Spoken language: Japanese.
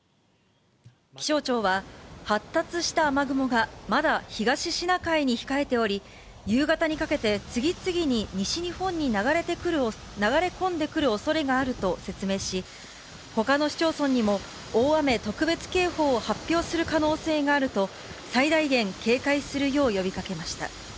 気象庁は、発達した雨雲がまだ東シナ海に控えており、夕方にかけて次々に西日本に流れ込んでくるおそれがあると説明し、ほかの市町村にも大雨特別警報を発表する可能性あると、最大限警戒するよう呼びかけました。